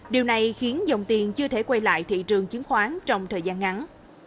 điều này khiến dòng tiền chưa thể quay lại thị trường chứng khoán trong thời gian ngắn